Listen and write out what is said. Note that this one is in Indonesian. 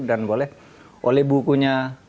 dan boleh oleh bukunya